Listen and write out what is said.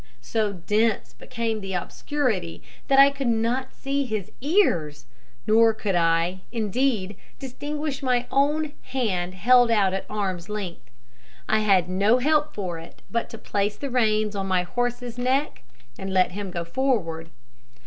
So dense became the obscurity, that I could not see his ears; nor could I, indeed, distinguish my own hand held out at arm's length. I had no help for it but to place the reins on my horse's neck and let him go forward.